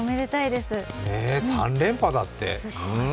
３連覇だって。